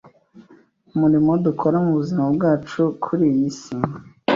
Umurimo dukora mu buzima bwacu kuri iyi si